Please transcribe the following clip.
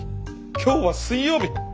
今日は水曜日。